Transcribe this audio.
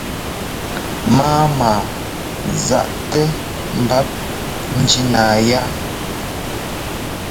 Mámaa záʼ-tɛ mbap njínáa yá.